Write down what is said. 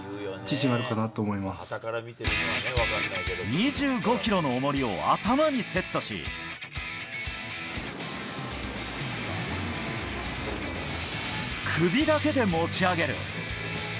２５キロの重りを頭にセットし、首だけで持ち上げる。